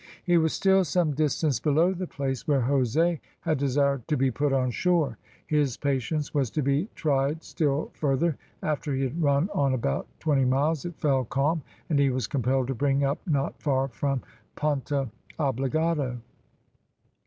He was still some distance below the place where Jose had desired to be put on shore. His patience was to be tried still further. After he had run on about twenty miles it fell calm, and he was compelled to bring up not far from Punta Obligado.